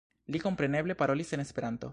Li kompreneble parolis en Esperanto.